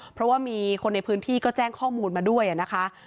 เพราะว่ามีคนในพื้นที่ก็แจ้งข้อมูลมาด้วยนะคะ